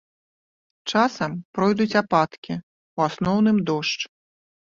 Часам пройдуць ападкі, у асноўным дождж.